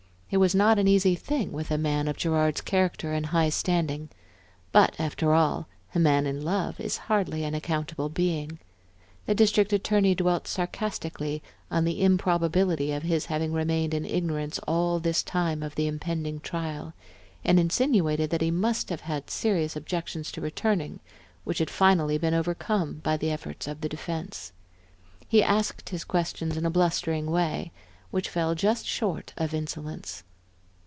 It was not an easy thing with a man of Gerard's character and high standing; but after all, a man in love is hardly an accountable being. The District Attorney dwelt sarcastically on the improbability of his having remained in ignorance all this time of the impending trial, and insinuated that he must have had serious objections to returning, which had been finally overcome by the efforts of the defense. He asked his questions in a blustering way, which fell just short of insolence.